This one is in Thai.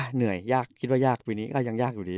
เหนื่อยยากคิดว่ายากปีนี้ก็ยังยากอยู่ดี